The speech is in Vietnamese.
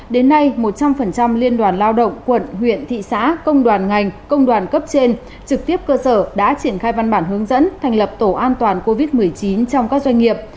đến nay một trăm linh liên đoàn lao động quận huyện thị xã công đoàn ngành công đoàn cấp trên trực tiếp cơ sở đã triển khai văn bản hướng dẫn thành lập tổ an toàn covid một mươi chín trong các doanh nghiệp